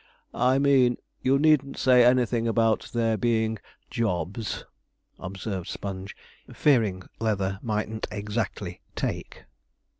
'I mean, you needn't say anything about their being jobs,' observed Sponge, fearing Leather mightn't exactly 'take.'